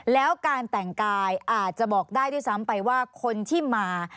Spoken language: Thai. แล้วการแต่งกายอาจจะบอกได้ด้วยซ้ำไปว่าคนที่มา